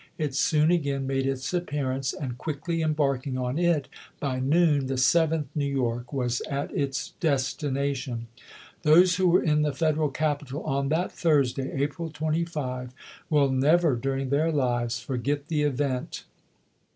It soon again made its ap pearance ; and, quickly embarking on it, by noon the Seventh New York was at its destination. Those who were in the Federal capital on that Thursday, April 25, will never, during their lives, forget the event.